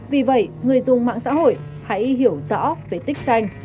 vì vậy người dùng mạng xã hội hãy hiểu rõ về tích xanh